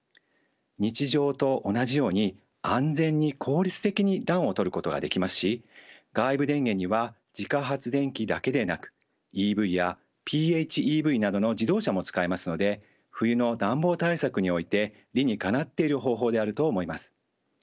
日常と同じように安全に効率的に暖を取ることができますし外部電源には自家発電機だけでなくＥＶやＰＨＥＶなどの自動車も使えますので冬の暖房対策において理にかなっている方法であると思います。